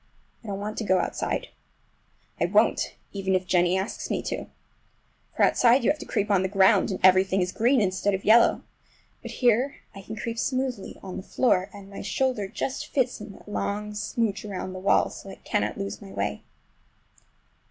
I don't want to go outside. I won't, even if Jennie asks me to. For outside you have to creep on the ground, and everything is green instead of yellow. But here I can creep smoothly on the floor, and my shoulder just fits in that long smooch around the wall, so I cannot lose my way.